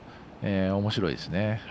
おもしろいですね。